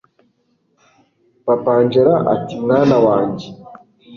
papa angella ati mwana wanjye